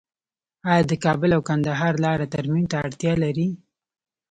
آیا د کابل او کندهار لاره ترمیم ته اړتیا لري؟